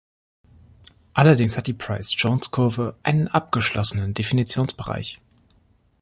Allerdings hat die Price-Jones-Kurve einen abgeschlossenen Definitionsbereich.